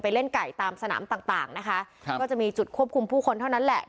เล่นไก่ตามสนามต่างต่างนะคะครับก็จะมีจุดควบคุมผู้คนเท่านั้นแหละ